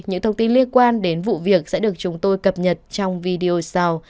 những thông tin liên quan đến vụ việc sẽ được chúng tôi cập nhật trong video sau